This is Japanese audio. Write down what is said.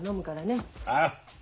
ああ。